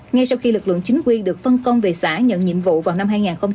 ngay sau khi lực lượng chính quy được phân công về xã nhận nhiệm vụ vào năm hai nghìn hai mươi